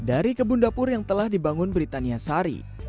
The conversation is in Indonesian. dari kebun dapur yang telah dibangun britania sari